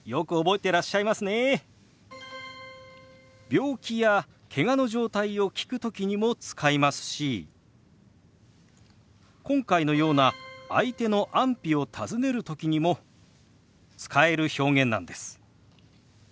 病気やけがの状態を聞く時にも使いますし今回のような相手の安否を尋ねる時にも使える表現なんです。